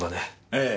ええ。